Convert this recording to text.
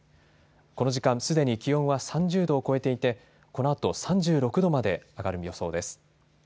この時間、すでに気温は３０度を超えていてこのあと、３６度まで上がる予想です。